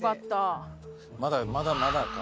まだまだまだか。